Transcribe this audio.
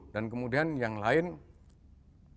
dan kemudian yang lain kita akan support